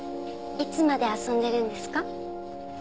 いつまで遊んでるんですか？